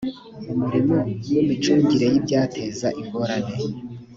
umurimo w imicungire y ibyateza ingorane